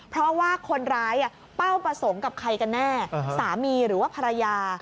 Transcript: เพราะว่าคนร้ายเป้าประสงค์กับใครกันแน่สามีหรือว่าภรรยา